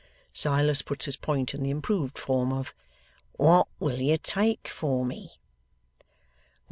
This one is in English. Silas puts his point in the improved form of 'What will you take for me?